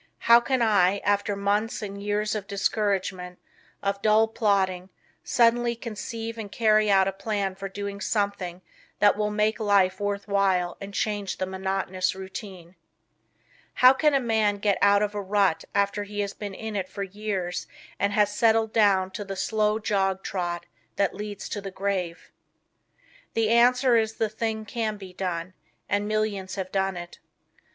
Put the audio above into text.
How can I, after months and years of discouragement, of dull plodding, suddenly conceive and carry out a plan for doing something that will make life worth while and change the monotonous routine? "How can a man get out of a rut after he has been in it for years and has settled down to the slow jog trot that leads to the grave?" The answer is the thing can be done, and millions have done it.